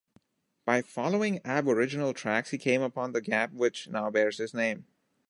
By following aboriginal tracks he came upon the gap which now bears his name.